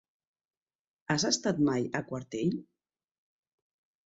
Has estat mai a Quartell?